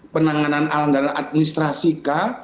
penanganan alanggaran administrasi kah